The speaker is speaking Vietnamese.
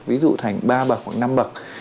ví dụ thành ba bậc hoặc năm bậc